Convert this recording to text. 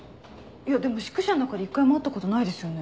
いやでも宿舎の中で一回も会ったことないですよね。